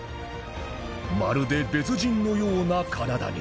まるで別人のような体に